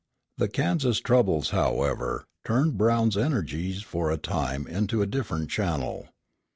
The Kansas troubles, however, turned Brown's energies for a time into a different channel.